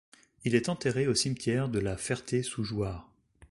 Il est enterré au cimetière de La Ferté-sous-Jouarre.